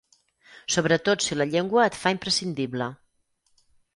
Sobretot si la llengua et fa imprescindible.